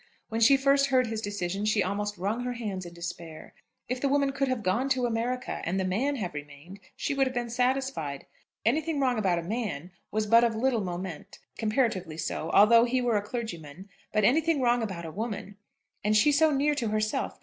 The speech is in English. When she first heard his decision she almost wrung her hands in despair. If the woman could have gone to America, and the man have remained, she would have been satisfied. Anything wrong about a man was but of little moment, comparatively so, even though he were a clergyman; but anything wrong about a woman, and she so near to herself!